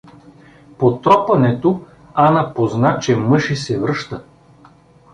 По тропането Ана позна, че мъж й се връща.